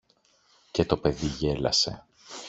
και το παιδί γέλασε.